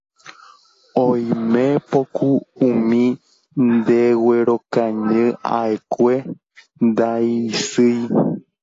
Oimépoku umi ndeguerokañy'akue ndaisýi